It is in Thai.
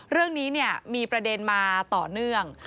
เรื่องนี้มีประเด็นมาต่อเนื่อง